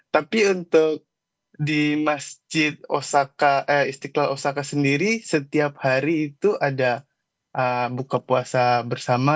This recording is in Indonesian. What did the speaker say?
tapi untuk di masjid istiqlal osaka sendiri setiap hari itu ada buka puasa bersama